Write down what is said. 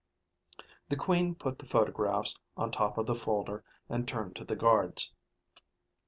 The Queen put the photographs on top of the folder and turned to the guards.